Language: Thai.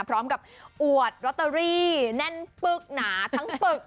พร้อมกับอวดลอตเตอรี่แน่นปึกหนาทั้งปึก